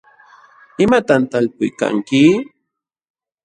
¿imatam talpuykanki?